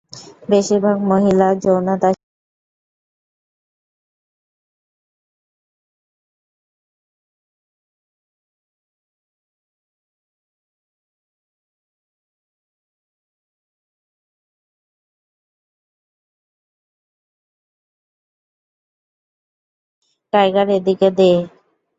Tiger, এদিকে দে!